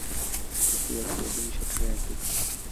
Sikukuu yake huadhimishwa tarehe ya kifo.